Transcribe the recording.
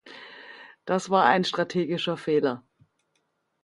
Das war ein strategischer Fehler.